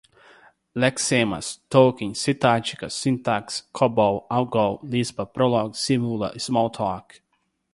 lexemas, tokens, sintáticas, sintaxe, cobol, algol, lisp, prolog, simula, smalltalk